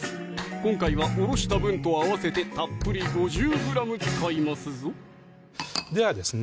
今回はおろした分と合わせてたっぷり５０ｇ使いますぞではですね